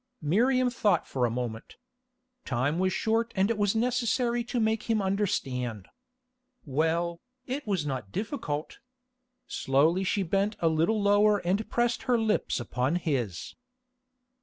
Miriam thought for a moment. Time was short and it was necessary to make him understand. Well, it was not difficult. Slowly she bent a little lower and pressed her lips upon his.